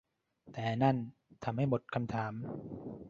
แต่นั่นทำให้หมดคำถาม